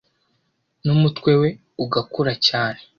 n’umutwe we ugakura cyane